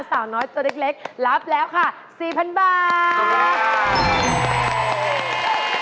สาวน้อยตัวเล็กเล็กรับแล้ว๔๐๐๐บาท